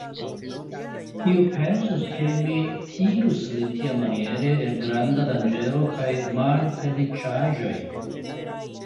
Kiu pensus, ke mi tirus lin tiamaniere el granda danĝero kaj malfeliĉaĵoj?